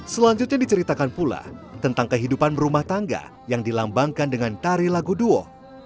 selanjutnya diceritakan pula tentang kehidupan berumah tangga yang dilambangkan dengan tari lagu duo